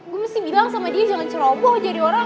gue mesti bilang sama dia jangan ceroboh jadi orang